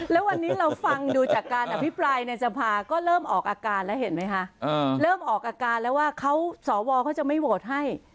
แล้ววันนี้เราฟังดูจากการอภิปรายในสภาก็เริ่มออกอาการแล้วเห็นไหมคะเริ่มออกอาการแล้วว่าเขาสวเขาจะไม่โหวตให้